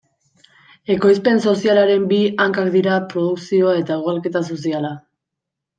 Ekoizpen sozialaren bi hankak dira produkzioa eta ugalketa soziala.